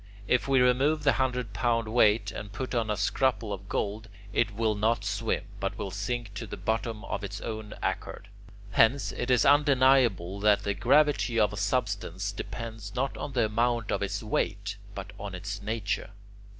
If we remove the hundred pound weight, and put on a scruple of gold, it will not swim, but will sink to the bottom of its own accord. Hence, it is undeniable that the gravity of a substance depends not on the amount of its weight, but on its nature.